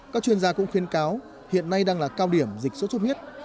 các chuyên gia cũng khuyên cáo hiện nay đang là cao điểm dịch sốt xuất huyết